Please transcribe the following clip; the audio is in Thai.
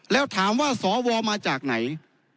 แล้วถามว่าสวมาจากไหน